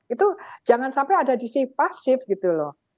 itu jangan sampai ada di si pasif gitu loh